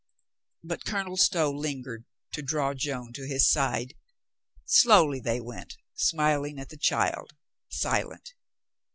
But Colonel Stow lingered to draw Joan to his side. Slowly they went, smiling at the child, silent.